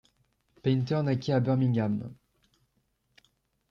Painter naquit à Birmingham.